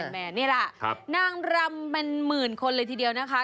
แม่นี่แหละนางรำเป็นหมื่นคนเลยทีเดียวนะคะ